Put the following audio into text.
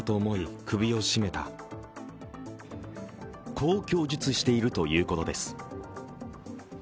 こう供述しているということです。